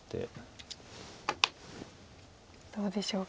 どうでしょうか。